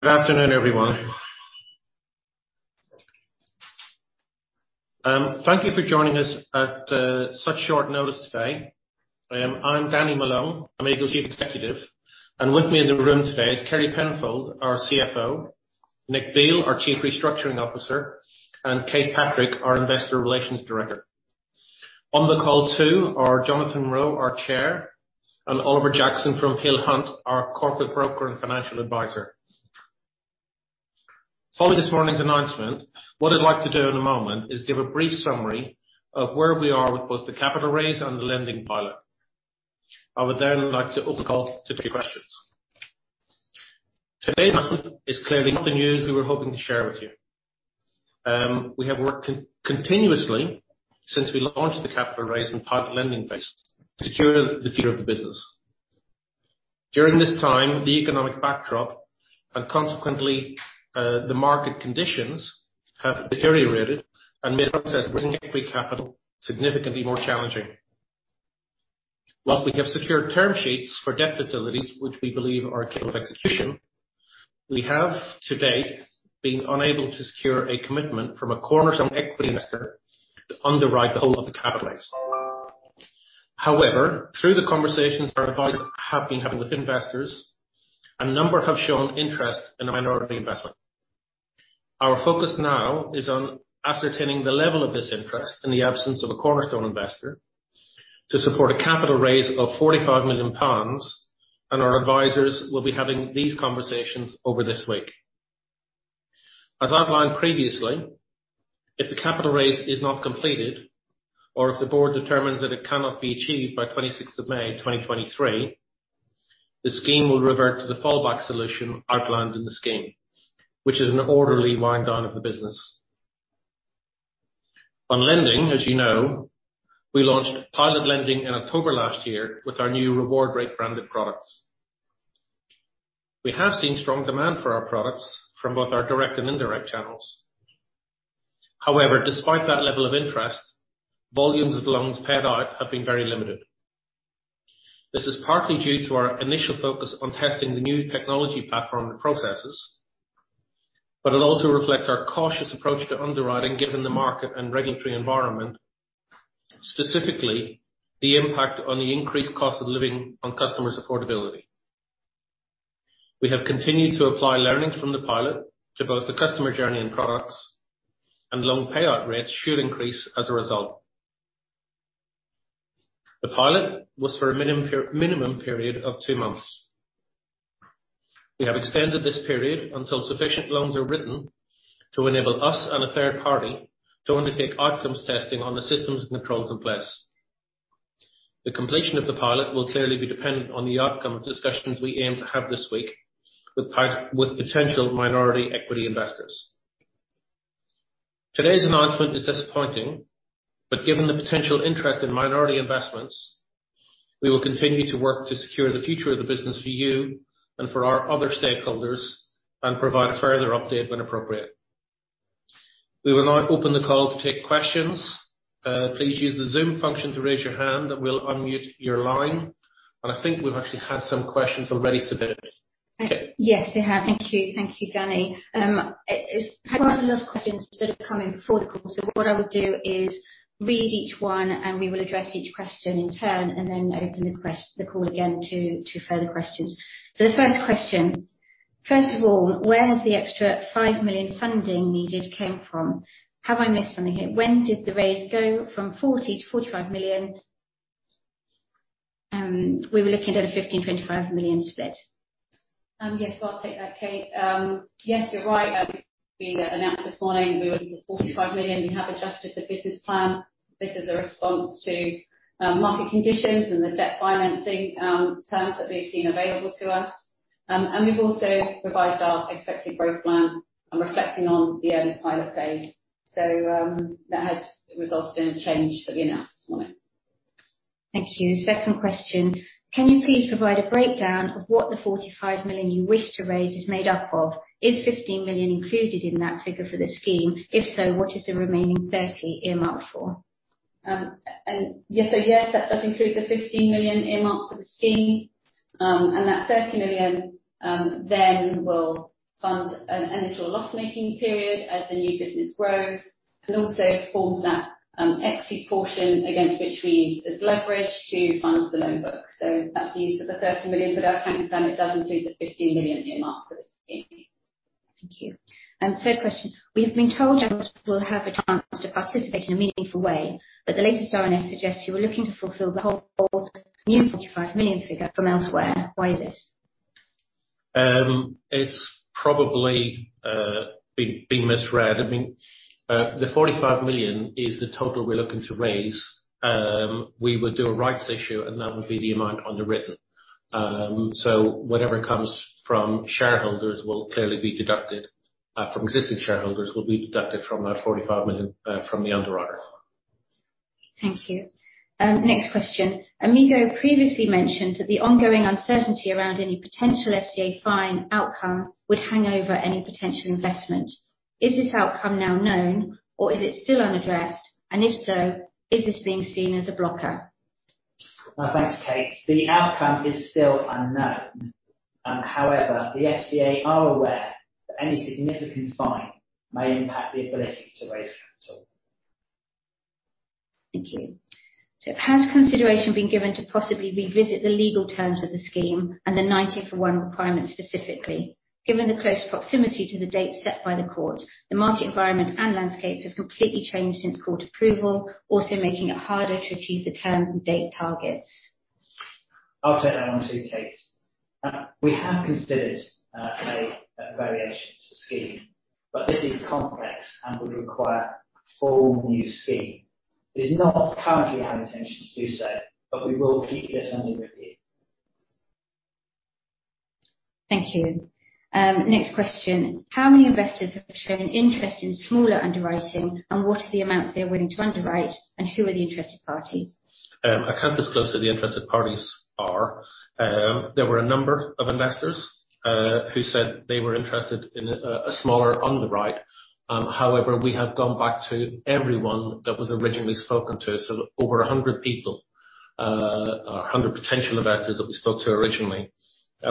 Good afternoon, everyone. Thank you for joining us at such short notice today. I'm Danny Malone, Amigo's executive. With me in the room today is Kerry Penfold, our CFO, Nicholas Beal, our Chief Restructuring Officer, and Kate Patrick, our Investor Relations Director. On the call too are Jonathan Roe, our Chair, and Oliver Jackson from Peel Hunt, our corporate broker and financial advisor. Following this morning's announcement, what I'd like to do in a moment is give a brief summary of where we are with both the capital raise and the lending pilot. I would then like to open call to a few questions. Today's announcement is clearly not the news we were hoping to share with you. We have worked continuously since we launched the capital raise and pilot lending phase to secure the future of the business. During this time, the economic backdrop and consequently, the market conditions have deteriorated and made the process of raising equity capital significantly more challenging. Whilst we have secured term sheets for debt facilities, which we believe are key to execution, we have, to date, been unable to secure a commitment from a cornerstone equity investor to underwrite the whole of the capital raise. Through the conversations our advisors have been having with investors, a number have shown interest in a minority investment. Our focus now is on ascertaining the level of this interest in the absence of a cornerstone investor to support a capital raise of 45 million pounds, and our advisors will be having these conversations over this week. As outlined previously, if the capital raise is not completed or if the board determines that it cannot be achieved by 26th of May, 2023, the scheme will revert to the fallback solution outlined in the scheme, which is an orderly wind down of the business. On lending, as you know, we launched pilot lending in October last year with our new RewardRate branded products. We have seen strong demand for our products from both our direct and indirect channels. However, despite that level of interest, volumes of loans paid out have been very limited. This is partly due to our initial focus on testing the new technology platform and processes, but it also reflects our cautious approach to underwriting, given the market and regulatory environment, specifically, the impact on the increased cost of living on customers' affordability. We have continued to apply learnings from the pilot to both the customer journey and products, and loan payout rates should increase as a result. The pilot was for a minimum period of two months. We have extended this period until sufficient loans are written to enable us and a third party to undertake outcomes testing on the systems and controls in place. The completion of the pilot will clearly be dependent on the outcome of discussions we aim to have this week with potential minority equity investors. Today's announcement is disappointing, given the potential interest in minority investments, we will continue to work to secure the future of the business for you and for our other stakeholders and provide a further update when appropriate. We will now open the call to take questions. Please use the Zoom function to raise your hand and we'll unmute your line. I think we've actually had some questions already submitted. Kate? Yes, we have. Thank you. Thank you, Danny. It's quite a lot of questions that have come in before the call, so what I would do is read each one, and we will address each question in turn and then open the call again to further questions. The first question. First of all, where is the extra 5 million funding needed came from? Have I missed something here? When did the raise go from 40 million-45 million? We were looking at a 15 million, 25 million split. Yes, I'll take that, Kate. Yes, you're right. We've announced this morning we were looking for 45 million. We have adjusted the business plan. This is a response to market conditions and the debt financing terms that we've seen available to us. We've also revised our expected growth plan and reflecting on the early pilot phase. That has resulted in a change that we announced this morning. Thank you. Second question. Can you please provide a breakdown of what the 45 million you wish to raise is made up of? Is 15 million included in that figure for the scheme? If so, what is the remaining 30 earmarked for? Yes. Yes, that does include the 15 million earmarked for the scheme. That 30 million, then will fund an initial loss-making period as the new business grows, and also forms that equity portion against which we use as leverage to fund the loan book. That's the use of the 30 million for that. It does include the 15 million earmarked for the scheme. Thank you. third question. We've been told will have a chance to participate in a meaningful way, the latest RNS suggests you are looking to fulfill the whole new 45 million figure from elsewhere. Why is this? It's probably, being misread. I mean, the 45 million is the total we're looking to raise. We would do a rights issue, and that would be the amount underwritten. Whatever comes from shareholders will clearly be deducted. From existing shareholders will be deducted from that 45 million, from the underwriter. Thank you. next question. Amigo previously mentioned that the ongoing uncertainty around any potential FCA fine outcome would hang over any potential investment. Is this outcome now known, or is it still unaddressed? If so, is this being seen as a blocker? Thanks, Kate. The outcome is still unknown. However, the FCA are aware that any significant fine may impact the ability to raise capital. Thank you. Has consideration been given to possibly revisit the legal terms of the scheme and the 90 for 1 requirement specifically? Given the close proximity to the date set by the court, the market environment and landscape has completely changed since court approval, also making it harder to achieve the terms and date targets. I'll take that one too, Kate. We have considered a variation to the scheme, but this is complex and would require a whole new scheme. It is not currently our intention to do so, but we will keep this under review. Thank you. Next question. How many investors have shown interest in smaller underwriting and what are the amounts they are willing to underwrite and who are the interested parties? I can't disclose who the interested parties are. There were a number of investors who said they were interested in a smaller underwrite. However, we have gone back to everyone that was originally spoken to, so over 100 people, or 100 potential investors that we spoke to originally.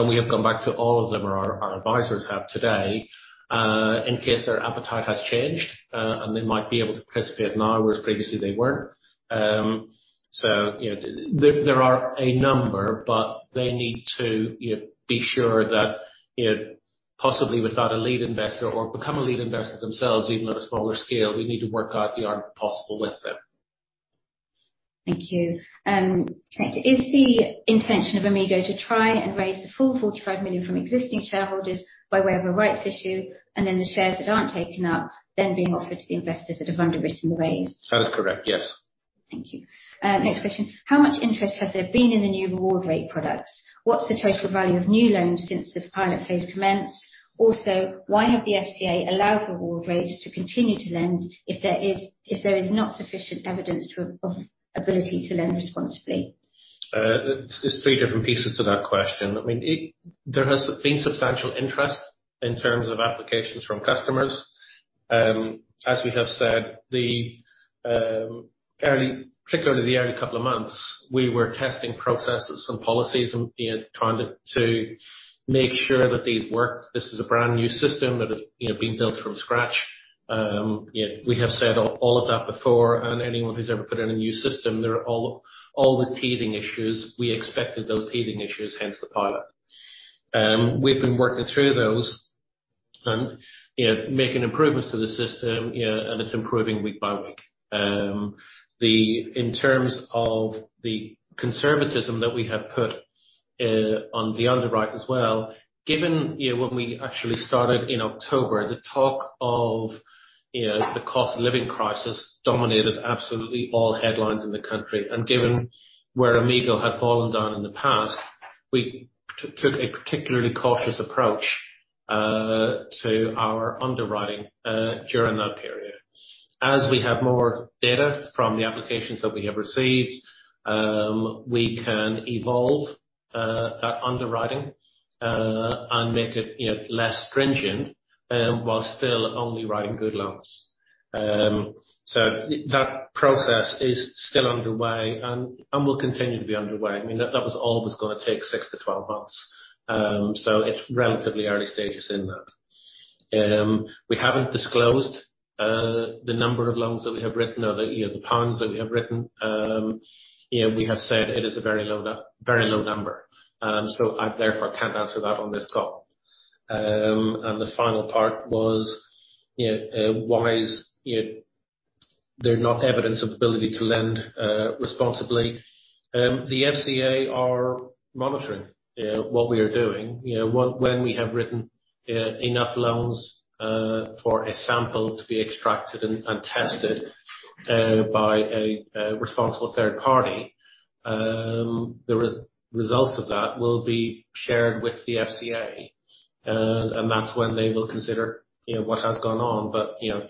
We have gone back to all of them, or our advisors have today, in case their appetite has changed, and they might be able to participate now, whereas previously they weren't. So, you know, there are a number, but they need to, you know, be sure that, you know, possibly without a lead investor or become a lead investor themselves, even on a smaller scale. We need to work out the art of the possible with them. Thank you. Next. Is the intention of Amigo to try and raise the full 45 million from existing shareholders by way of a rights issue, and then the shares that aren't taken up then being offered to the investors that have underwritten the raise? That is correct, yes. Thank you. Next question. How much interest has there been in the new RewardRate products? What's the total value of new loans since the pilot phase commenced? Also, why have the FCA allowed RewardRate rates to continue to lend if there is not sufficient evidence to lend responsibly? There's three different pieces to that question. I mean, there has been substantial interest in terms of applications from customers. As we have said, the, particularly the early couple of months, we were testing processes and policies and, you know, trying to make sure that these work. This is a brand-new system that has, you know, been built from scratch. You know, we have said all of that before and anyone who's ever put in a new system, there are all the teething issues. We expected those teething issues, hence the pilot. We've been working through those and, you know, making improvements to the system. You know, it's improving week by week. The in terms of the conservatism that we have put on the underwrite as well, given, you know, when we actually started in October, the talk of, you know, the cost of living crisis dominated absolutely all headlines in the country. Given where Amigo had fallen down in the past, we took a particularly cautious approach to our underwriting during that period. As we have more data from the applications that we have received, we can evolve that underwriting and make it, you know, less stringent while still only writing good loans. That process is still underway and will continue to be underway. I mean, that was always gonna take 6-12 months. It's relatively early stages in that. We haven't disclosed the number of loans that we have written or the pounds that we have written. We have said it is a very low number. I therefore can't answer that on this call. The final part was why is there not evidence of ability to lend responsibly. The FCA are monitoring what we are doing. When we have written enough loans for a sample to be extracted and tested by a responsible third party, the results of that will be shared with the FCA. That's when they will consider what has gone on. You know,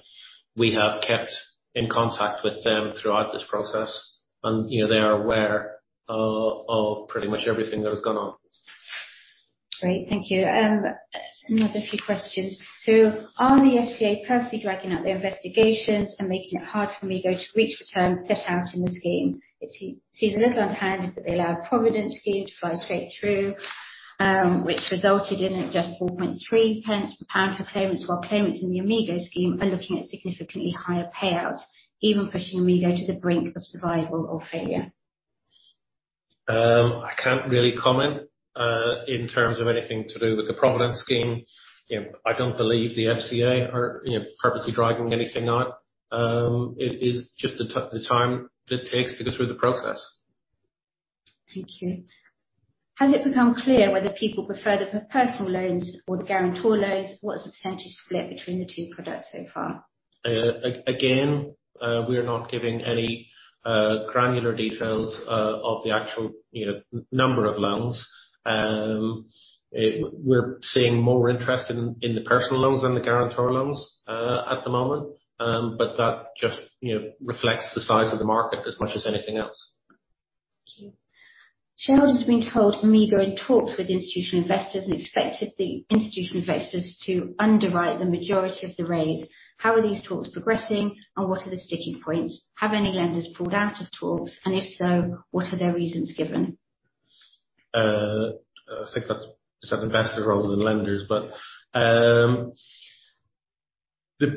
we have kept in contact with them throughout this process and, you know, they are aware of pretty much everything that has gone on. Great. Thank you. another few questions. Are the FCA purposely dragging out their investigations and making it hard for Amigo to reach the terms set out in the scheme? It seems a little untended that they allowed Provident scheme to fly straight through, which resulted in it just 4.3 pence per pound for claimants, while claimants in the Amigo scheme are looking at significantly higher payouts, even pushing Amigo to the brink of survival or failure. I can't really comment in terms of anything to do with the Provident scheme. You know, I don't believe the FCA are, you know, purposely dragging anything out. It is just the time it takes to go through the process. Thank you. Has it become clear whether people prefer the personal loans or the guarantor loans? What is the % split between the two products so far? Again, we're not giving any granular details of the actual, you know, number of loans. We're seeing more interest in the personal loans than the guarantor loans at the moment. That just, you know, reflects the size of the market as much as anything else. Thank you. Shareholders have been told Amigo in talks with institutional investors and expected the institutional investors to underwrite the majority of the raise. How are these talks progressing and what are the sticking points? Have any lenders pulled out of talks? If so, what are their reasons given? I think that's it's an investor rather than lenders. The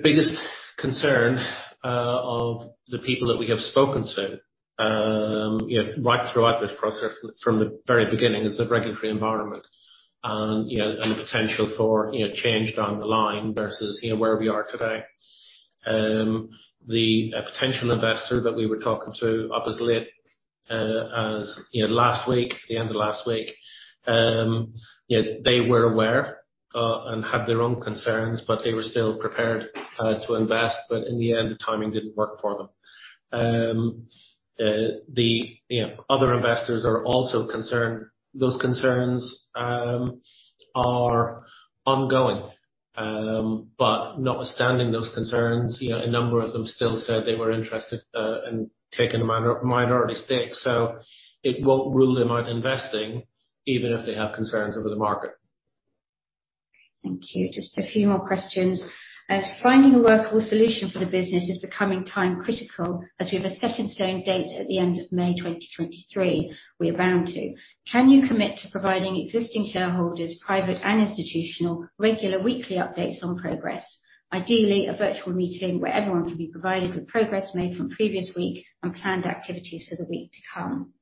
biggest concern of the people that we have spoken to, you know, right throughout this process from the very beginning, is the regulatory environment and, you know, and the potential for, you know, change down the line versus, you know, where we are today. The potential investor that we were talking to up as late as, you know, last week, the end of last week, you know, they were aware and had their own concerns, but they were still prepared to invest. In the end, the timing didn't work for them. The, you know, other investors are also concerned. Those concerns are ongoing. Notwithstanding those concerns, you know, a number of them still said they were interested in taking a minority stake. It won't rule them out investing, even if they have concerns over the market. Thank you. Just a few more questions. As finding a workable solution for the business is becoming time critical, as we have a set in stone date at the end of May 2023 we are bound to, can you commit to providing existing shareholders, private and institutional, regular weekly updates on progress? Ideally, a virtual meeting where everyone can be provided with progress made from previous week and planned activities for the week to come.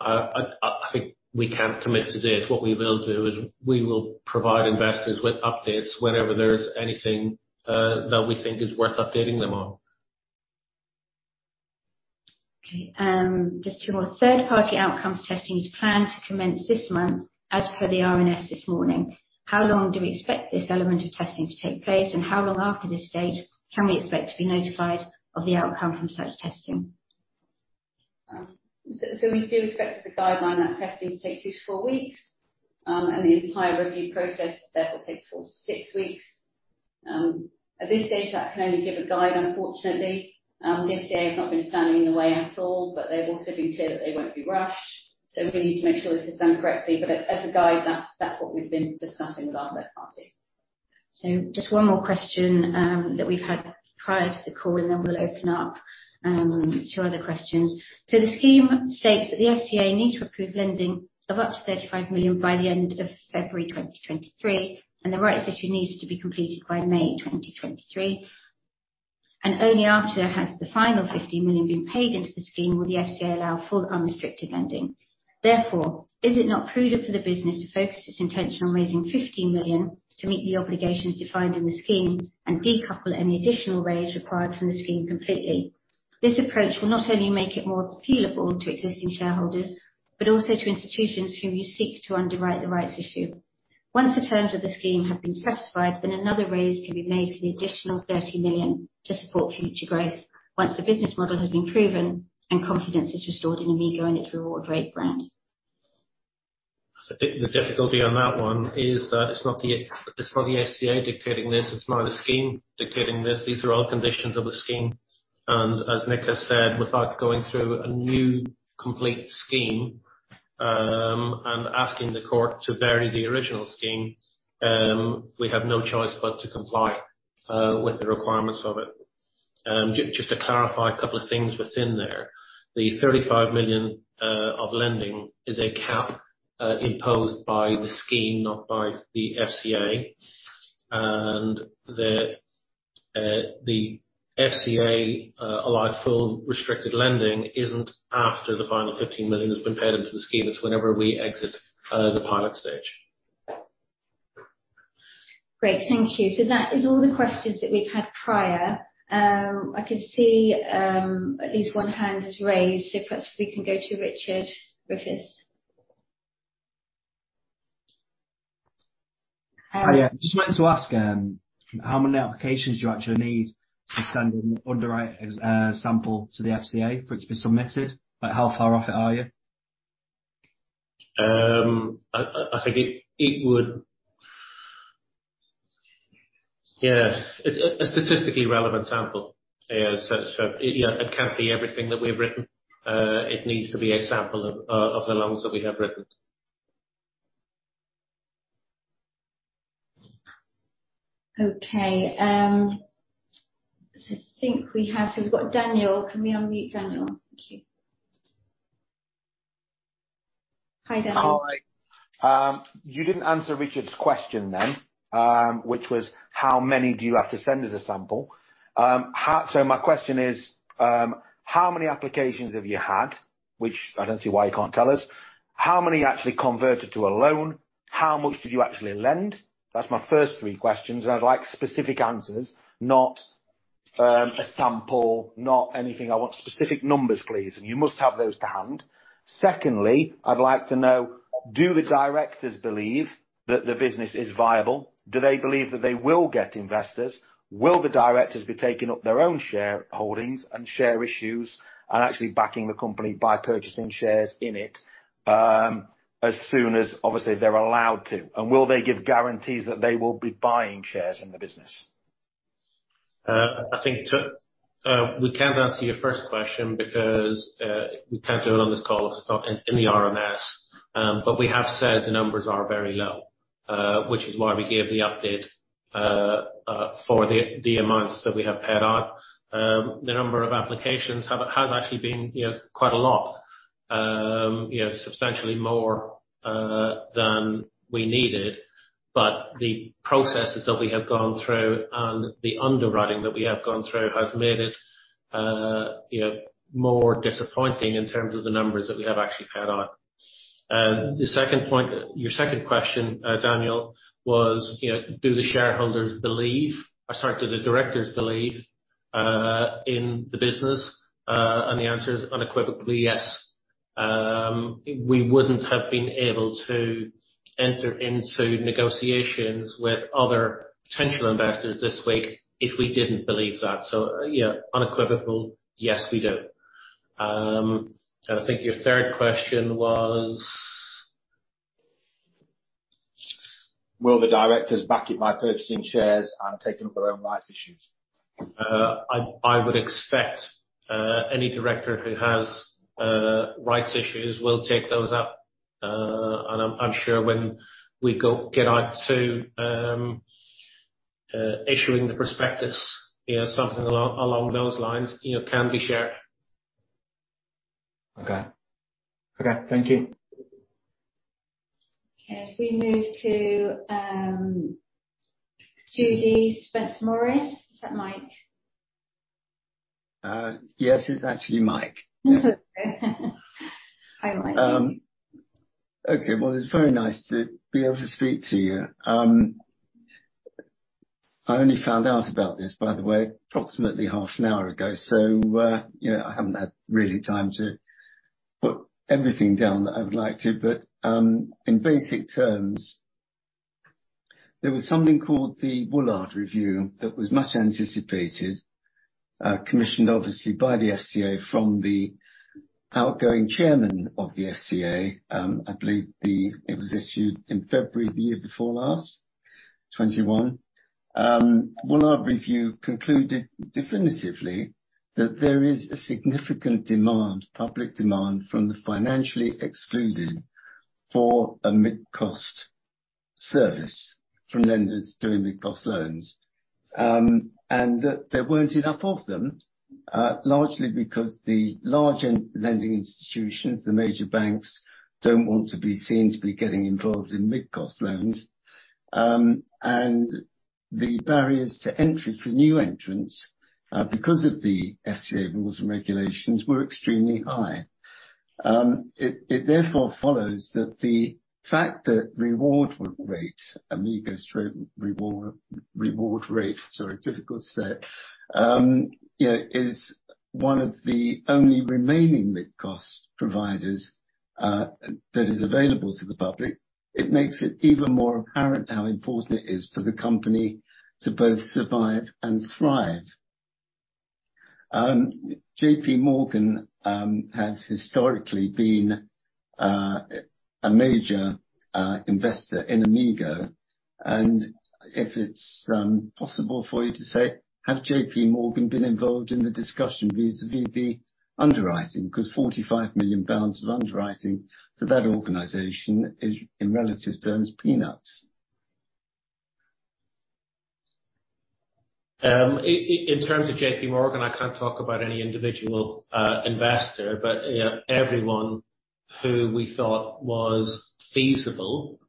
I think we can't commit to this. What we will do is we will provide investors with updates whenever there's anything that we think is worth updating them on. Okay, just two more. Third-party outcomes testing is planned to commence this month as per the RNS this morning. How long do we expect this element of testing to take place, and how long after this date can we expect to be notified of the outcome from such testing? We do expect as a guideline that testing to take two-four weeks, and the entire review process therefore takes four-six weeks. At this stage, that can only give a guide, unfortunately. The FCA have not been standing in the way at all, but they've also been clear that they won't be rushed. We need to make sure this is done correctly. As a guide, that's what we've been discussing with our third party. Just one more question that we've had prior to the call, and then we'll open up to other questions. The scheme states that the FCA need to approve lending of up to 35 million by the end of February 2023, and the rights issue needs to be completed by May 2023. Only after has the final 15 million been paid into the scheme will the FCA allow full unrestricted lending. Therefore, is it not prudent for the business to focus its intention on raising 15 million to meet the obligations defined in the scheme and decouple any additional raise required from the scheme completely? This approach will not only make it more appealable to existing shareholders, but also to institutions who you seek to underwrite the rights issue. Once the terms of the scheme have been satisfied, another raise can be made for the additional 30 million to support future growth once the business model has been proven and confidence is restored in Amigo and its RewardRate brand. I think the difficulty on that one is that it's not the FCA dictating this, it's not the scheme dictating this. These are all conditions of the scheme, and as Nick has said, without going through a new complete scheme, and asking the court to vary the original scheme, we have no choice but to comply with the requirements of it. Just to clarify a couple of things within there. The 35 million of lending is a cap imposed by the scheme, not by the FCA. The FCA allow full restricted lending isn't after the final 15 million has been paid into the scheme. It's whenever we exit the pilot stage. Great. Thank you. That is all the questions that we've had prior. I can see, at least one hand is raised, so perhaps we can go to Richard Griffiths. Hi. I just wanted to ask, how many applications do you actually need to send an underwrite sample to the FCA for it to be submitted? Like, how far off it are you? I think it would. Yeah. A statistically relevant sample. It, you know, it can't be everything that we've written. It needs to be a sample of the loans that we have written. Okay. We've got Daniel. Can we unmute Daniel? Thank you. Hi, Daniel. Hi. You didn't answer Richard's question then, which was how many do you have to send as a sample? So my question is, how many applications have you had? Which I don't see why you can't tell us. How many actually converted to a loan? How much did you actually lend? That's my first three questions, and I'd like specific answers, not a sample, not anything. I want specific numbers, please, and you must have those to hand. Secondly, I'd like to know, do the directors believe that the business is viable? Do they believe that they will get investors? Will the directors be taking up their own shareholdings and share issues and actually backing the company by purchasing shares in it, as soon as, obviously, they're allowed to? Will they give guarantees that they will be buying shares in the business? I think to, we can't answer your first question because we can't do it on this call. It's not in the RNS. We have said the numbers are very low, which is why we gave the update for the amounts that we have paid out. The number of applications has actually been, you know, quite a lot. You know, substantially more than we needed, the processes that we have gone through and the underwriting that we have gone through has made it, you know, more disappointing in terms of the numbers that we have actually paid out. The second point, your second question, Daniel, was, you know, do the shareholders believe... do the directors believe in the business? The answer is unequivocally, yes. We wouldn't have been able to enter into negotiations with other potential investors this week if we didn't believe that. You know, unequivocal, yes, we do. I think your third question was? Will the directors back it by purchasing shares and taking up their own rights issues? I would expect any director who has rights issues will take those up. I'm sure when we get out to issuing the prospectus, you know, something along those lines, you know, can be shared. Okay. Okay, thank you. Okay. If we move to, Judy Spencer-Morris. Is that Mike? Yes, it's actually Mike. Hi, Mike. Okay. Well, it's very nice to be able to speak to you. I only found out about this, by the way, approximately half an hour ago, so, you know, I haven't had really time to put everything down that I would like to. In basic terms, there was something called the Woolard Review that was much anticipated, commissioned obviously by the FCA from the outgoing chairman of the FCA. I believe it was issued in February the year before last, 2021. Woolard Review concluded definitively that there is a significant demand, public demand, from the financially excluded for a mid-cost service from lenders doing mid-cost loans. That there weren't enough of them, largely because the large end lending institutions, the major banks, don't want to be seen to be getting involved in mid-cost loans. The barriers to entry for new entrants, because of the FCA rules and regulations, were extremely high. It therefore follows that the fact that RewardRate, Amigo stroke RewardRate, sorry, difficult set, you know, is one of the only remaining mid-cost providers, that is available to the public. It makes it even more apparent how important it is for the company to both survive and thrive. JP Morgan has historically been a major investor in Amigo, and if it's possible for you to say, have JP Morgan been involved in the discussion vis-à-vis the underwriting? 45 million pounds of underwriting to that organization is, in relative terms, peanuts. In terms of JP Morgan, I can't talk about any individual investor. Yeah, everyone who we thought was feasible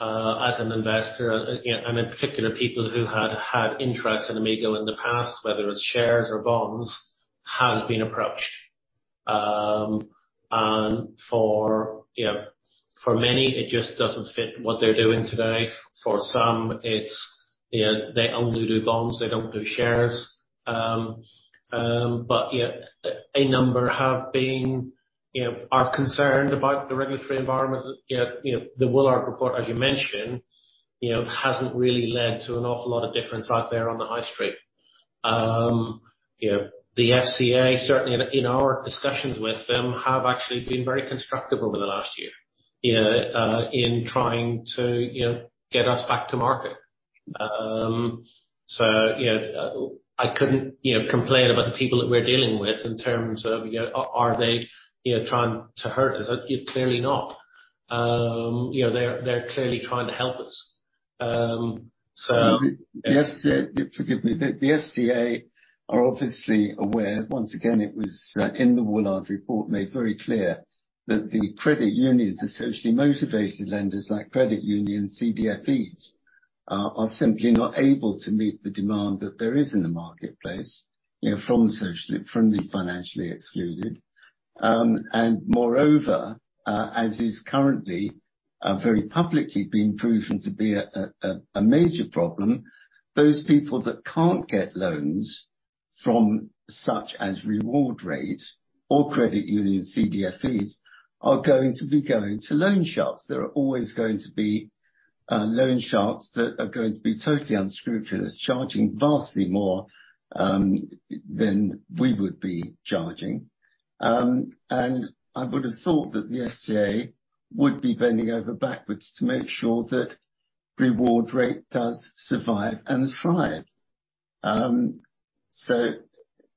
as an investor, you know, and in particular people who had interest in Amigo in the past, whether it's shares or bonds, has been approached. And for, you know, for many, it just doesn't fit what they're doing today. For some, it's, you know, they only do bonds, they don't do shares. Yeah, a number have been, you know, are concerned about the regulatory environment. You know, the Woolard Review, as you mentioned, you know, hasn't really led to an awful lot of difference out there on the high street. You know, the FCA, certainly in our discussions with them, have actually been very constructive over the last year, you know, in trying to, you know, get us back to market. Yeah, I couldn't, you know, complain about the people that we're dealing with in terms of, you know, are they, you know, trying to hurt us? Clearly not. You know, they're clearly trying to help us. Forgive me. The FCA are obviously aware. Once again, it was in the Woolard Report, made very clear that the credit unions, the socially motivated lenders like credit unions, CDFIs, are simply not able to meet the demand that there is in the marketplace, you know, from the financially excluded. Moreover, as is currently very publicly being proven to be a major problem, those people that can't get loans from such as RewardRate or credit union CDFIs are going to be going to loan sharks. There are always going to be loan sharks that are going to be totally unscrupulous, charging vastly more than we would be charging. I would have thought that the FCA would be bending over backwards to make sure that RewardRate does survive and thrive.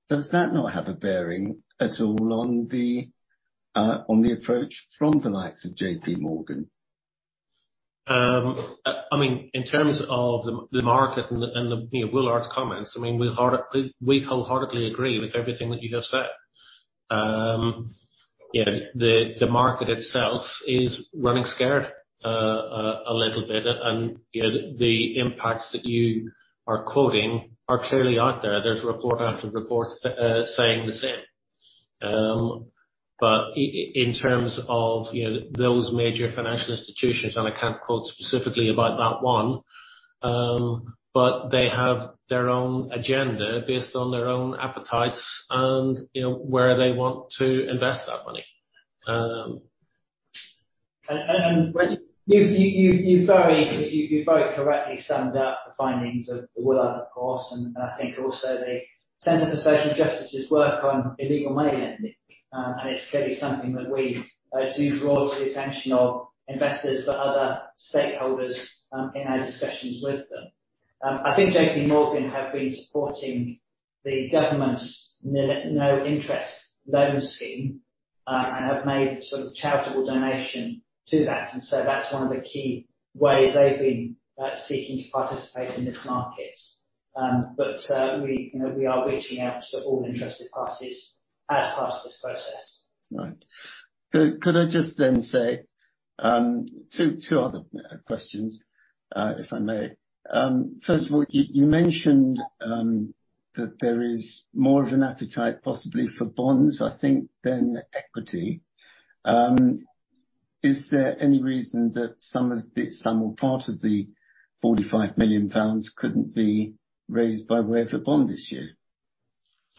Does that not have a bearing at all on the approach from the likes of JP Morgan? I mean, in terms of the market and the, and the, you know, Woolard's comments, I mean, we wholeheartedly agree with everything that you just said. You know, the market itself is running scared, a little bit, and, you know, the impacts that you are quoting are clearly out there. There's report after reports, saying the same. In terms of, you know, those major financial institutions, and I can't quote specifically about that one, but they have their own agenda based on their own appetites and, you know, where they want to invest that money. When you very correctly summed up the findings of the Woolard, of course, and I think also the Centre for Social Justice's work on illegal money lending, and it's clearly something that we do draw to the attention of investors but other stakeholders in our discussions with them. I think JP Morgan have been supporting the government's No Interest Loan Scheme, and have made a sort of charitable donation to that, and so that's one of the key ways they've been seeking to participate in this market. You know, we are reaching out to all interested parties as part of this process. Right. Could I just then say, two other questions, if I may. First of all, you mentioned that there is more of an appetite, possibly for bonds, I think, than equity. Is there any reason that some of the... Some or part of the 45 million pounds couldn't be raised by way of a bond issue?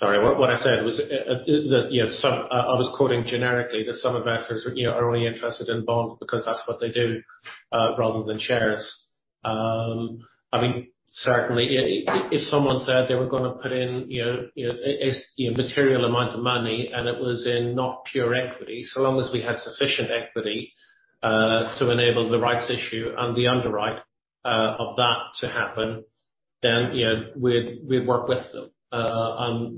Sorry. What I said was that, you know, some I was quoting generically that some investors, you know, are only interested in bonds because that's what they do, rather than shares. I mean, certainly, if someone said they were gonna put in, you know, a, you know, material amount of money and it was in not pure equity, so long as we have sufficient equity to enable the rights issue and the underwrite of that to happen, then, you know, we'd work with them.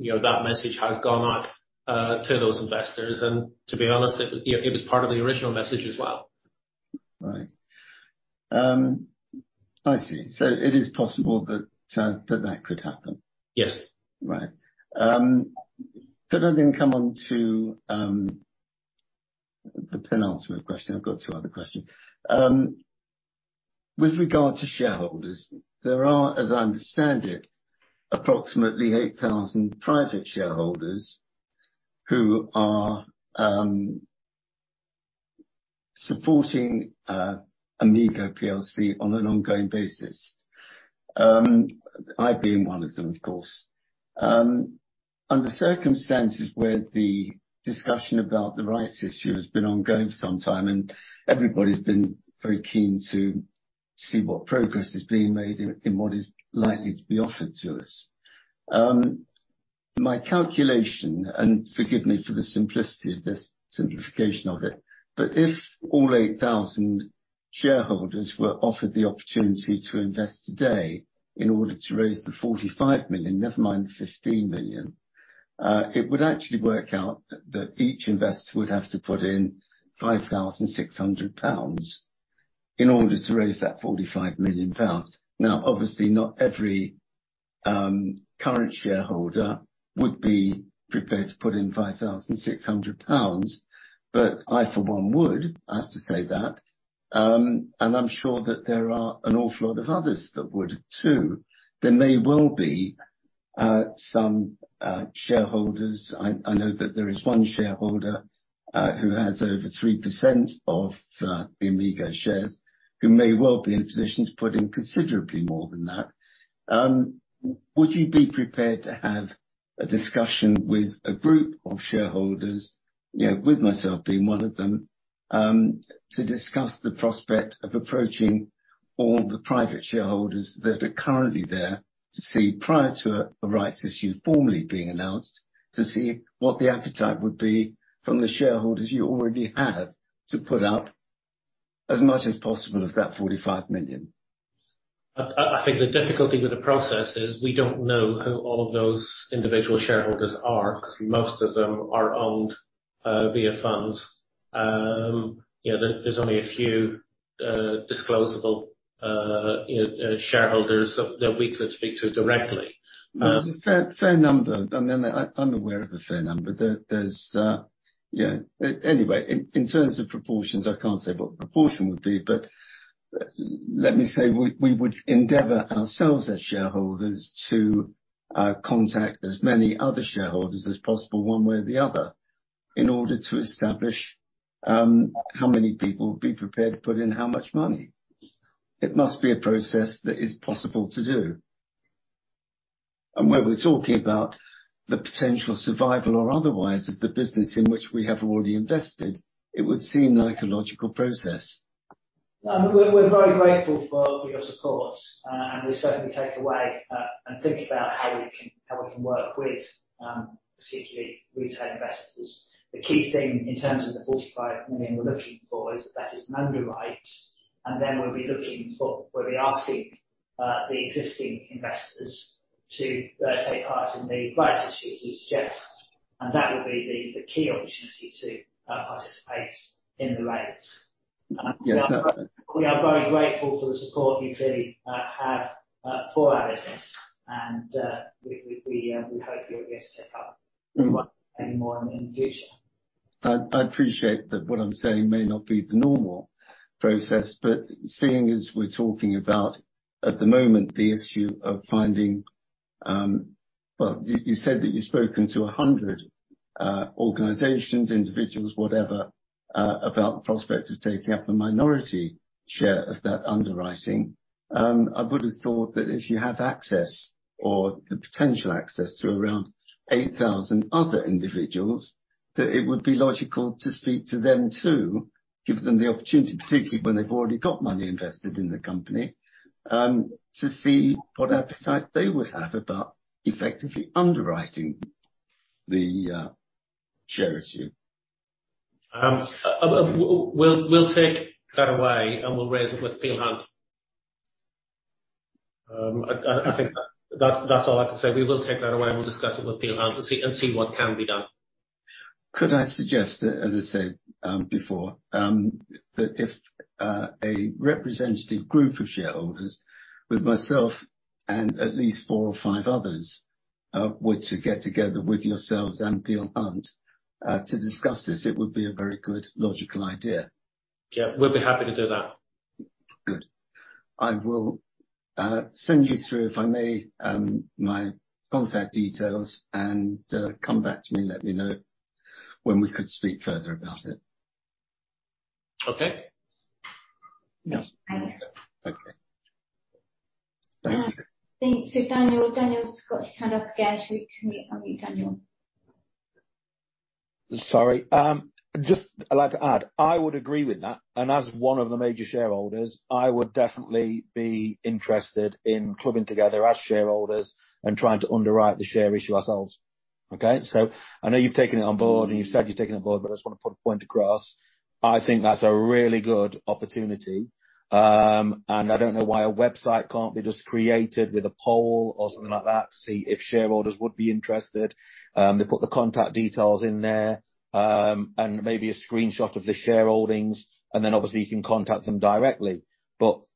You know, that message has gone out to those investors, and to be honest, it was part of the original message as well. Right. I see. It is possible that could happen? Yes. Right. Could I then come on to the penultimate question. I've got two other questions. With regard to shareholders, there are, as I understand it, approximately 8,000 private shareholders who are supporting Amigo PLC on an ongoing basis, I being one of them, of course. Under circumstances where the discussion about the rights issue has been ongoing for some time and everybody's been very keen to see what progress is being made and what is likely to be offered to us, my calculation, and forgive me for the simplicity of this, simplification of it. If all 8,000 shareholders were offered the opportunity to invest today in order to raise 45 million, never mind 15 million, it would actually work out that each investor would have to put in 5,600 pounds in order to raise that 45 million pounds. Obviously, not every current shareholder would be prepared to put in 5,600 pounds, but I, for one, would. I have to say that. I'm sure that there are an awful lot of others that would too. There may well be some shareholders, I know that there is one shareholder who has over 3% of the Amigo shares, who may well be in a position to put in considerably more than that. Would you be prepared to have a discussion with a group of shareholders, you know, with myself being one of them, to discuss the prospect of approaching all the private shareholders that are currently there to see prior to a rights issue formally being announced, to see what the appetite would be from the shareholders you already have to put up as much as possible of that 45 million? I think the difficulty with the process is we don't know who all of those individual shareholders are, because most of them are owned via funds. You know, there's only a few disclosable shareholders that we could speak to directly. There's a fair number. I'm aware of a fair number. There's, you know, anyway, in terms of proportions, I can't say what the proportion would be, but let me say, we would endeavor ourselves as shareholders to contact as many other shareholders as possible one way or the other in order to establish how many people would be prepared to put in how much money. It must be a process that is possible to do. When we're talking about the potential survival or otherwise of the business in which we have already invested, it would seem like a logical process. We're very grateful for your support. We certainly take away and think about how we can work with particularly retail investors. The key thing, in terms of the 45 million we're looking for, is that that is an underwrite, and then we'll be looking for. We'll be asking the existing investors to take part in the rights issue as you suggest, and that would be the key opportunity to participate in the raise. Yes. We are very grateful for the support you clearly have for our business and we hope you'll get to. Mm-hmm. any more in future. I appreciate that what I'm saying may not be the normal process. Seeing as we're talking about at the moment the issue of finding, Well, you said that you've spoken to 100 organizations, individuals, whatever, about the prospect of taking up a minority share of that underwriting. I would've thought that if you have access or the potential access to around 8,000 other individuals, that it would be logical to speak to them too, give them the opportunity, particularly when they've already got money invested in the company, to see what appetite they would have about effectively underwriting the share issue. We'll take that away and we'll raise it with Peel Hunt. I think that's all I can say. We will take that away, and we'll discuss it with Peel Hunt to see, and see what can be done. Could I suggest that, as I said, before, that if a representative group of shareholders with myself and at least four or five others, were to get together with yourselves and Peel Hunt, to discuss this it would be a very good logical idea. Yeah. We'll be happy to do that. Good. I will send you through, if I may, my contact details. Come back to me and let me know when we could speak further about it. Okay. Yes. Thank you. Thank you. Thank to Daniel. Daniel's got his hand up again. Shall we unmute Daniel? Sorry. Just I'd like to add, I would agree with that, and as one of the major shareholders, I would definitely be interested in clubbing together as shareholders and trying to underwrite the share issue ourselves. Okay? I know you've taken it on board, and you said you've taken it on board, but I just wanna put a point across. I think that's a really good opportunity. I don't know why a website can't be just created with a poll or something like that to see if shareholders would be interested. They put their contact details in there, and maybe a screenshot of the shareholdings, and then obviously you can contact them directly.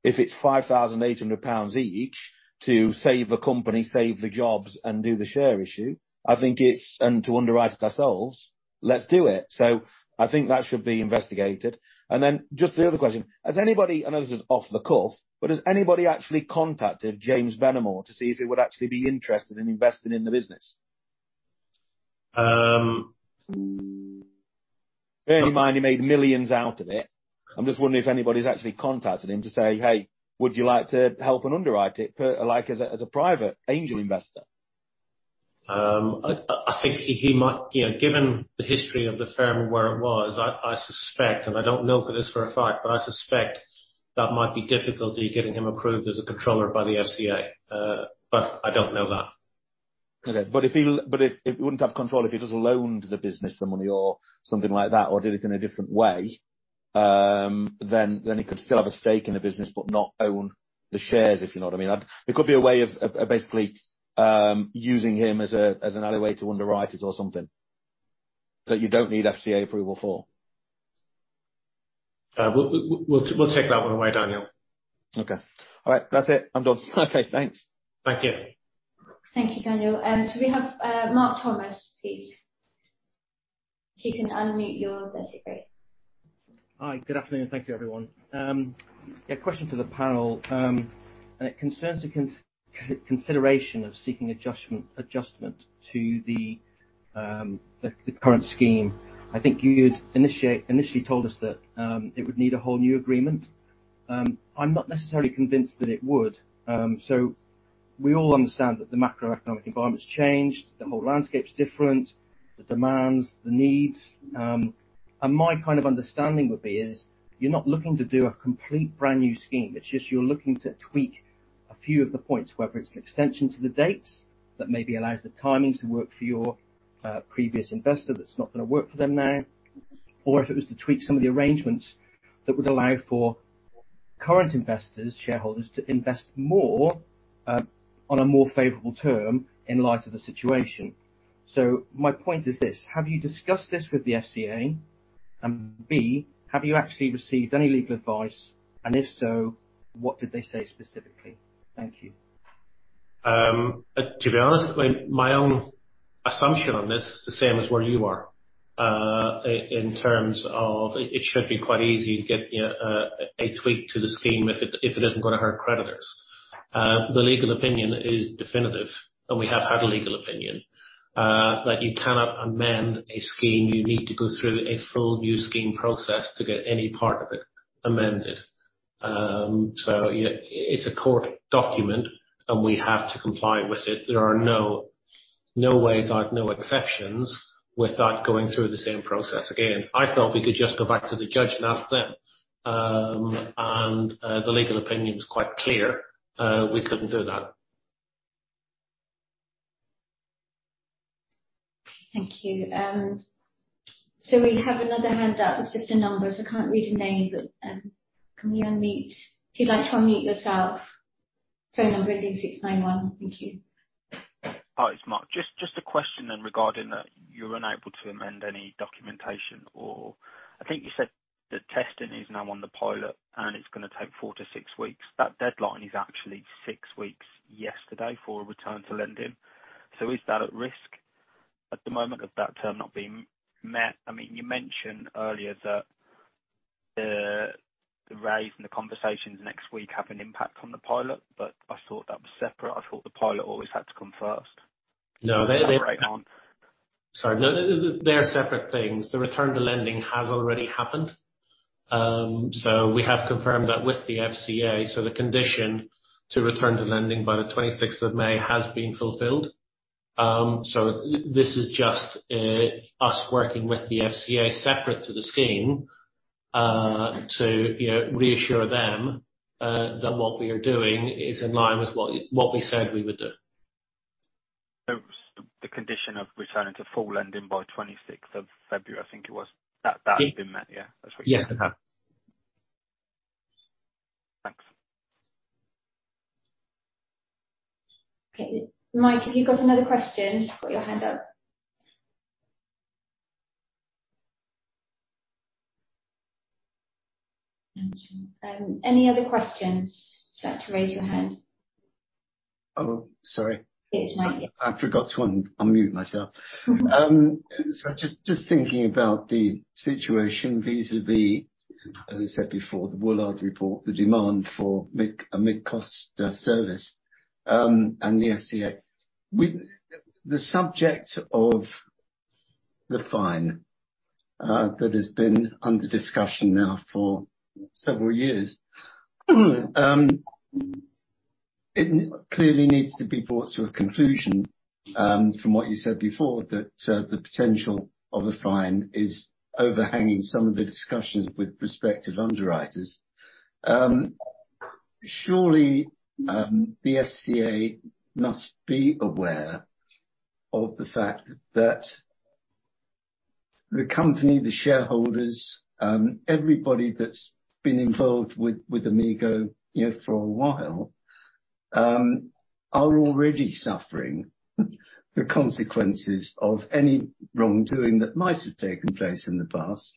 If it's 5,800 pounds each to save a company, save the jobs and do the share issue, I think it's... To underwrite it ourselves, let's do it. I think that should be investigated. Then just the other question, has anybody, I know this is off the cuff, but has anybody actually contacted James Benamor to see if he would actually be interested in investing in the business? Um. Bearing in mind he made millions out of it, I'm just wondering if anybody's actually contacted him to say, "Hey, would you like to help and underwrite it per like as a, as a private angel investor? I think he might... You know, given the history of the firm and where it was, I suspect, and I don't know this for a fact, but I suspect that might be difficulty getting him approved as a controller by the FCA. I don't know that. Okay. If, if he wouldn't have control, if he just loaned the business some money or something like that, or did it in a different way, then he could still have a stake in the business but not own the shares, if you know what I mean. There could be a way of basically, using him as an ally way to underwrite it or something, that you don't need FCA approval for. We'll take that one away, Danny. Okay. All right. That's it. I'm done. Okay, thanks. Thank you. Thank you, Daniel. Can we have Mark Thomas, please? If you can unmute your themselves. Hi. Good afternoon. Thank you, everyone. Yeah, question for the panel. It concerns a consideration of seeking adjustment to the current scheme. I think you'd initially told us that it would need a whole new agreement. I'm not necessarily convinced that it would. We all understand that the macroeconomic environment's changed, the whole landscape's different, the demands, the needs. My kind of understanding would be is you're not looking to do a complete brand-new scheme, it's just you're looking to tweak a few of the points, whether it's an extension to the dates that maybe allows the timing to work for your previous investor that's not going to work for them now, or if it was to tweak some of the arrangements that would allow for current investors, shareholders to invest more on a more favorable term in light of the situation. My point is this: have you discussed this with the FCA? B, have you actually received any legal advice, and if so, what did they say specifically? Thank you. To be honest, like my own assumption on this is the same as where you are. In terms of, it should be quite easy to get, you know, a tweak to the scheme if it isn't gonna hurt creditors. The legal opinion is definitive, and we have had a legal opinion that you cannot amend a scheme. You need to go through a full new scheme process to get any part of it amended. So yeah, it's a court document. We have to comply with it. There are no ways out, no exceptions without going through the same process again. I felt we could just go back to the judge and ask them. The legal opinion was quite clear, we couldn't do that. Thank you. We have another hand up. It's just a number, so I can't read a name but, can you unmute? If you'd like to unmute yourself. Phone number ending 691. Thank you. Hi, it's Mark Thomas. Just a question then regarding that you're unable to amend any documentation or. I think you said the testing is now on the pilot, and it's gonna take four to six weeks. That deadline is actually six weeks yesterday for a return to lending. Is that at risk at the moment of that term not being met? I mean, you mentioned earlier that the raise and the conversations next week have an impact on the pilot. I thought that was separate. I thought the pilot always had to come first. No. on. Sorry. No, they're separate things. The return to lending has already happened. We have confirmed that with the FCA, the condition to return to lending by the 26th of May has been fulfilled. This is just us working with the FCA separate to the scheme, to, you know, reassure them that what we are doing is in line with what we said we would do. the condition of returning to full lending by 26th of February, I think it was. Yeah. That has been met, yeah? Yes, it has. Thanks. Okay. Mike, have you got another question? Got your hand up. Any other questions? You'll have to raise your hand. Oh, sorry. It's Mike, yeah. I forgot to un-unmute myself. Just thinking about the situation vis-à-vis, as I said before, the Woolard report, the demand for a mid-cost service, and the FCA. The subject of the fine that has been under discussion now for several years, it clearly needs to be brought to a conclusion, from what you said before, that the potential of a fine is overhanging some of the discussions with prospective underwriters. Surely, the FCA must be aware of the fact that the company, the shareholders, everybody that's been involved with Amigo, you know, for a while, are already suffering the consequences of any wrongdoing that might have taken place in the past,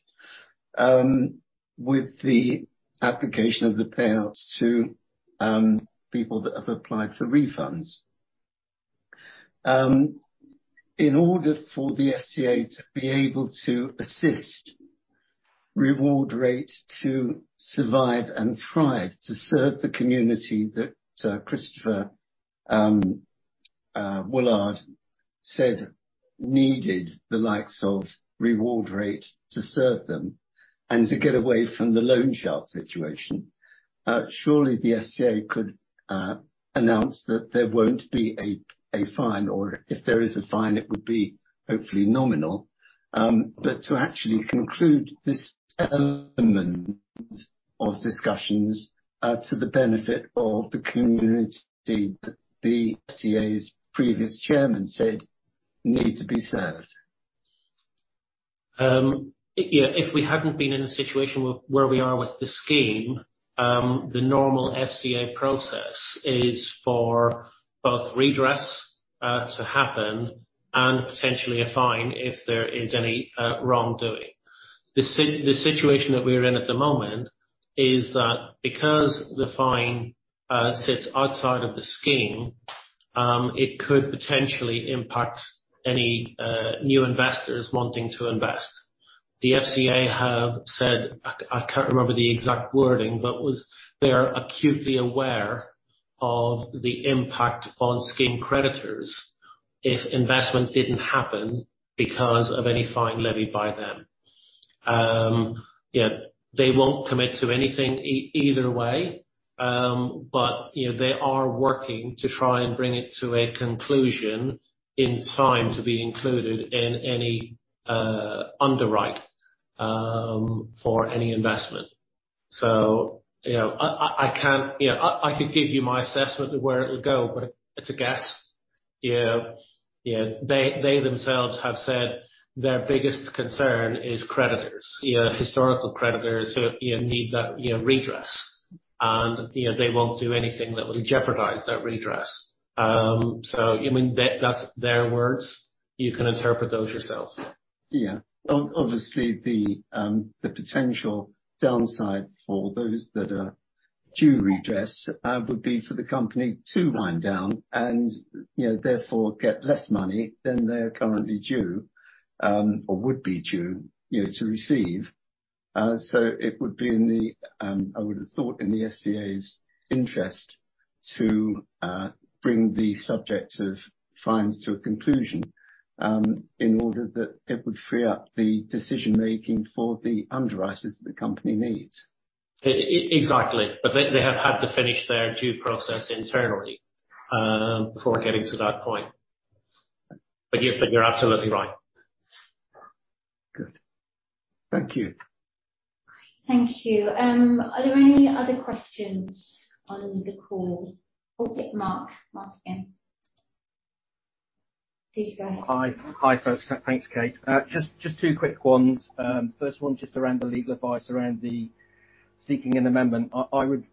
with the application of the payouts to people that have applied for refunds. In order for the FCA to be able to assist RewardRate to survive and thrive, to serve the community that Christopher Woolard said needed the likes of RewardRate to serve them and to get away from the loan shark situation, surely the FCA could announce that there won't be a fine, or if there is a fine, it would be hopefully nominal. To actually conclude this element of discussions, to the benefit of the community that the FCA's previous chairman said need to be served. Yeah. If we hadn't been in a situation where we are with the scheme, the normal FCA process is for both redress to happen and potentially a fine if there is any wrongdoing. The situation that we're in at the moment is that because the fine sits outside of the scheme, it could potentially impact any new investors wanting to invest. The FCA have said, I can't remember the exact wording, but was they are acutely aware of the impact on scheme creditors if investment didn't happen because of any fine levied by them. Yeah. They won't commit to anything either way. You know, they are working to try and bring it to a conclusion in time to be included in any underwrite for any investment. You know, I can't... You know, I could give you my assessment of where it'll go, but it's a guess. You know, you know, they themselves have said their biggest concern is creditors. You know, historical creditors who, you know, need that, you know, redress. You know, they won't do anything that will jeopardize that redress. I mean, that's their words. You can interpret those yourselves. Yeah. Obviously, the potential downside for those that are due redress, would be for the company to wind down and, you know, therefore get less money than they are currently due, or would be due, you know, to receive. It would be in the I would have thought in the FCA's interest to bring the subject of fines to a conclusion, in order that it would free up the decision-making for the underwriters that the company needs. Exactly. They have had to finish their due process internally, before getting to that point. You're absolutely right. Good. Thank you. Thank you. Are there any other questions on the call? Mark. Mark again. Please go ahead. Hi. Hi folks. Thanks, Kate. Just two quick ones. First one just around the legal advice around the seeking an amendment. I would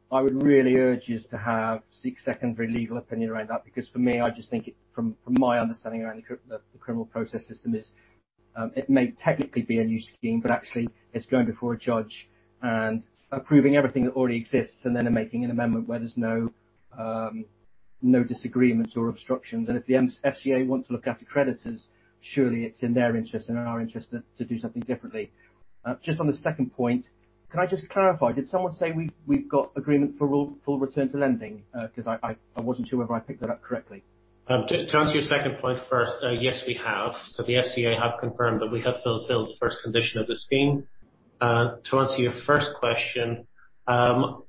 really urge you to seek secondary legal opinion around that, because for me, I just think it from my understanding around the criminal process system is, it may technically be a new scheme, but actually it's going before a judge and approving everything that already exists and then, and making an amendment where there's no disagreements or obstructions. If the FCA want to look after creditors, surely it's in their interest and in our interest to do something differently. Just on the second point, could I just clarify, did someone say we've got agreement for full return to lending? 'Cause I wasn't sure whether I picked that up correctly. To answer your second point first, yes, we have. The FCA have confirmed that we have fulfilled the first condition of the scheme. To answer your first question, I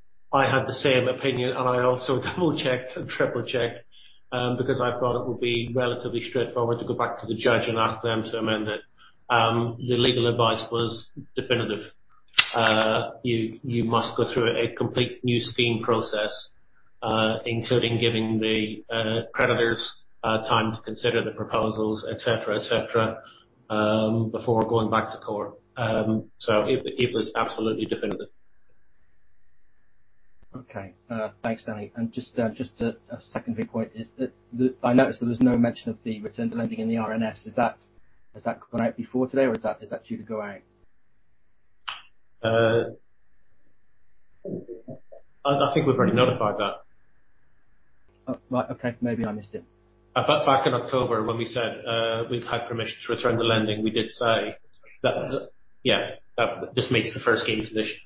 had the same opinion and I also double-checked and triple-checked because I thought it would be relatively straightforward to go back to the judge and ask them to amend it. The legal advice was definitive. You must go through a complete new scheme process, including giving the creditors time to consider the proposals, et cetera, et cetera, before going back to court. It was absolutely definitive. Okay. Thanks, Danny. Just a secondary point is that I noticed that there's no mention of the return to lending in the RNS. Is that gone out before today or is that due to go out? I think we've already notified that. Oh, right. Okay. Maybe I missed it. Back in October when we said, we've had permission to return the lending, we did say that the. Yeah. That this meets the first scheme condition.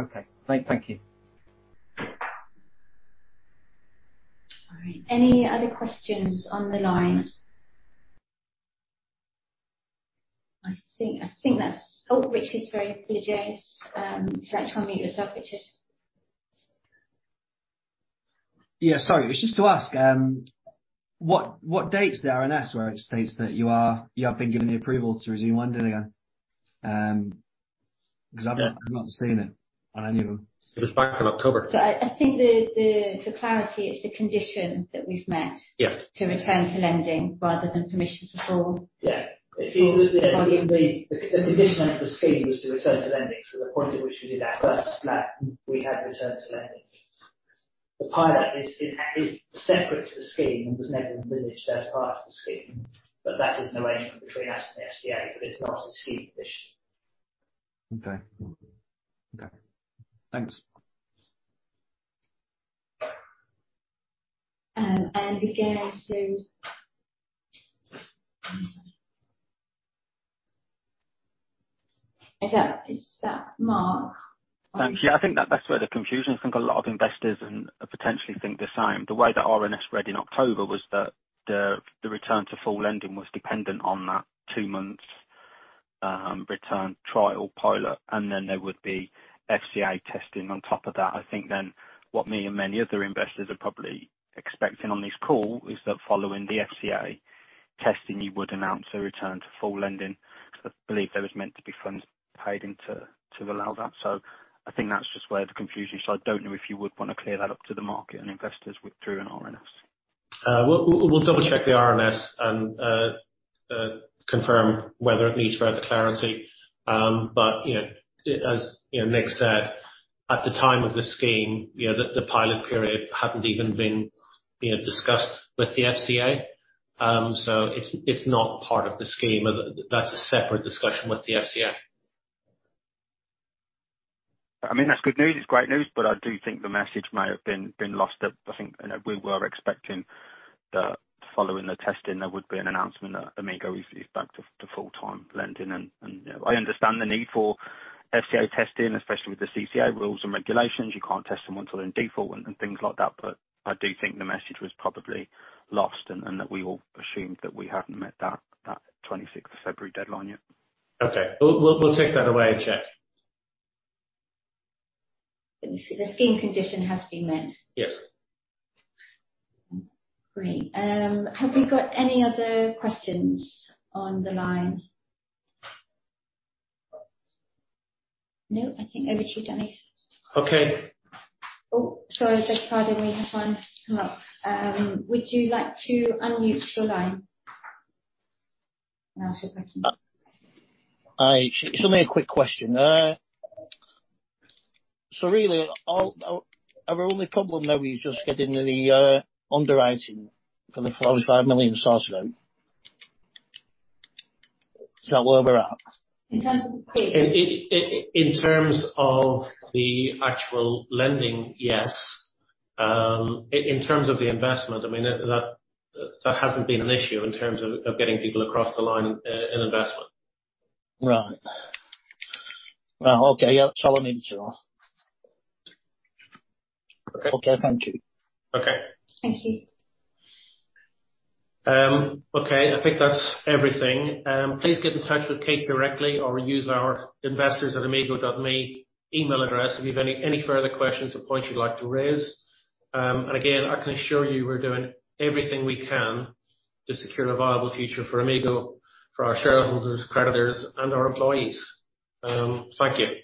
Okay. Thank you. All right. Any other questions on the line? I think that's... Oh, Richard. Sorry. Please go ahead. Would you like to unmute yourself, Richard? Yeah, sorry. It was just to ask, what date's the RNS where it states that you have been given the approval to resume lending again? 'cause I've not seen it on any of them. It was back in October. I think the clarity, it's the condition that we've met. Yeah... to return to lending rather than permission to fall. Yeah. The condition of the scheme was to return to lending. The point at which we did our first lab, we had returned to lending. The pilot is separate to the scheme and was never envisaged as part of the scheme. That is an arrangement between us and the FCA, but it's not a scheme condition. Okay. Okay. Thanks. again, so... Is that Mark? Thank you. I think that that's where the confusion... I think a lot of investors, potentially think the same. The way the RNS read in October was that the return to full lending was dependent on that two months return trial pilot, and then there would be FCA testing on top of that. I think then what me and many other investors are probably expecting on this call is that following the FCA testing, you would announce a return to full lending. I believe there was meant to be funds paid into to allow that. I think that's just where the confusion... I don't know if you would wanna clear that up to the market and investors through an RNS. we'll double-check the RNS and confirm whether it needs further clarity. You know, as, you know, Nick said, at the time of the scheme, you know, the pilot period hadn't even been, you know, discussed with the FCA. It's not part of the scheme. That's a separate discussion with the FCA. I mean, that's good news. It's great news. I do think the message may have been lost that I think, you know, we were expecting that following the testing, there would be an announcement that Amigo is back to full-time lending. You know, I understand the need for FCA testing, especially with the CCA rules and regulations. You can't test someone till they're in default and things like that. I do think the message was probably lost and that we all assumed that we hadn't met that 26th of February deadline yet. Okay. We'll take that away and check. Let me see. The scheme condition has been met? Yes. Great. Have we got any other questions on the line? No, I think over to you, Danny. Okay. Oh, sorry. There's probably one come up. Would you like to unmute your line and ask your question? Hi. It's only a quick question. Really our only problem now is just getting the underwriting for the 45 million sorted out. Is that where we're at? In terms of In terms of the actual lending, yes. In terms of the investment, I mean, that hasn't been an issue in terms of getting people across the line in investment. Right. Well, okay. Yeah. I need to know. Okay. Okay. Thank you. Okay. Thank you. Okay. I think that's everything. Please get in touch with Kate directly or use our investors@amigoplc.co.uk email address if you've any further questions or points you'd like to raise. Again, I can assure you we're doing everything we can to secure a viable future for Amigo, for our shareholders, creditors, and our employees. Thank you.